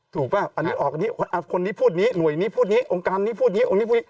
ถูกป่ะอันนี้ออกนี้อ่ะคนนี้พูดนี้หน่วยนี้พูดนี้องค์กรรมนี้พูดนี้